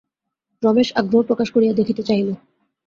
রমেশ আগ্রহ প্রকাশ করিয়া দেখিতে চাহিল।